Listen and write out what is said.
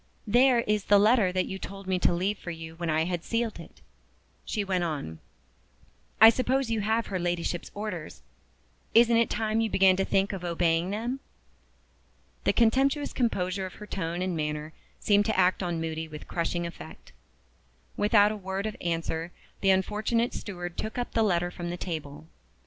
"There is the letter that you told me to leave for you when I had sealed it," she went on. "I suppose you have her Ladyship's orders. Isn't it time you began to think of obeying them?" The contemptuous composure of her tone and manner seemed to act on Moody with crushing effect. Without a word of answer, the unfortunate steward took up the letter from the table.